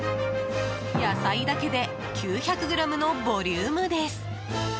野菜だけで９００ｇのボリュームです。